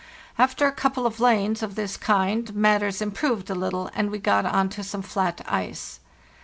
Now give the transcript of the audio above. After a couple of lanes of this kind, matters im proved a little, and we got on to some flat ice.